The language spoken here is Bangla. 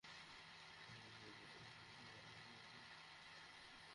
বিকেল সাড়ে চারটার দিকে সেটি ভাজনডাঙ্গা ঘাট এলাকায় আবার ছেড়ে দেওয়া হয়।